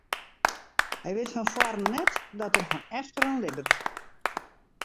Hy wit fan foaren net dat er fan efteren libbet.